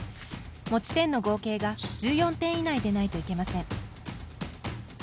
持ち点の合計が１４点以内でないといけません。